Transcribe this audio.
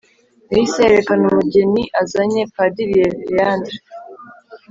yahise yerekana umugeni azanye, padiri léandre